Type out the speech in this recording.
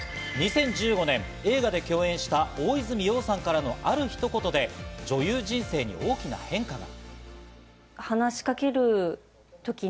２０１５年、映画で共演した大泉洋さんからのあるひと言で、女優人生に大きな変化が。